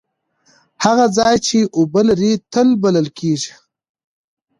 هغه ځای چې اوبه لري تل بلل کیږي.